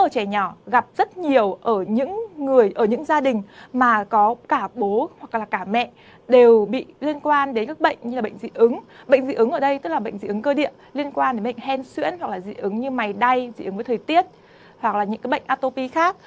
cả bố hoặc cả mẹ đều bị liên quan đến các bệnh như bệnh dị ứng bệnh dị ứng ở đây tức là bệnh dị ứng cơ địa liên quan đến bệnh hen xuyễn hoặc là dị ứng như mày đay dị ứng với thời tiết hoặc là những bệnh atopy khác